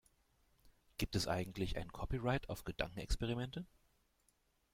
Gibt es eigentlich ein Copyright auf Gedankenexperimente?